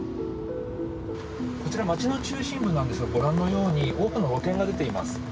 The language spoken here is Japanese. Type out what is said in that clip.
こちら街の中心部なんですがごらんのように多くの露店が出ています。